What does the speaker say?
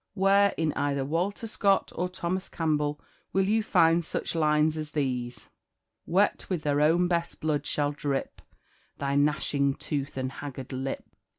Where, in either Walter Scott or Thomas Campbell, will you find such lines as these; 'Wet with their own best blood, shall drip Thy gnashing tooth and haggard lip!'"